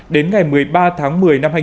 đến ngày một mươi ba tháng một mươi